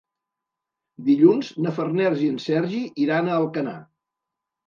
Dilluns na Farners i en Sergi iran a Alcanar.